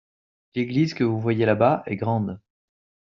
L'église que vous voyez là-bas est grande.